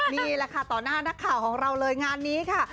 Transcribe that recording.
นี่แหละค่ะต่อหน้านักข่าวของเราเลยงานนี้ค่ะ